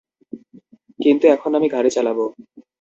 কিন্তু এখন আমি গাড়ি চালাবো।